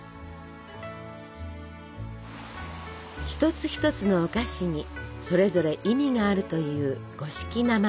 一つ一つのお菓子にそれぞれ意味があるという五色生菓子。